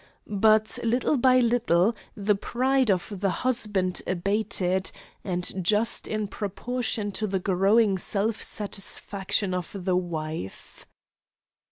But, little by little, the pride of the husband abated; and just in proportion to the growing self satisfaction of the wife.